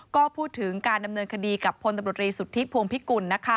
ก็พูดถึงการดำเนินคดีกับพลตำรวจรีสุทธิพวงพิกุล